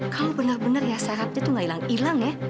kamu benar benar ya sarapnya itu nggak hilang hilang ya